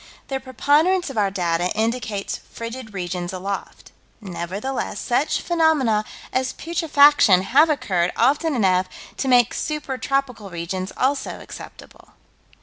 The preponderance of our data indicates frigid regions aloft. Nevertheless such phenomena as putrefaction have occurred often enough to make super tropical regions, also, acceptable.